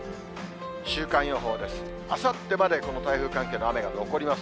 週間予報です。